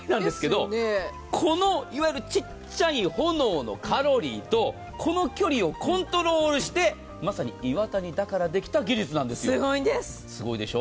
このいわゆる小さい炎のカロリーとこの距離をコントロールしてまさに岩谷だからできたすごいです。